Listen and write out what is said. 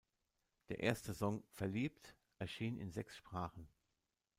Der erste Song "Verliebt" erschien in sechs Sprachen.